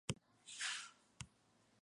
Ocupan la posición social más elevada.